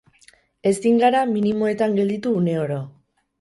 Ezin gara minimoetan gelditu une oro.